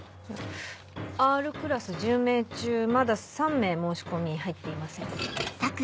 Ｒクラス１０名中まだ３名申し込み入っていません。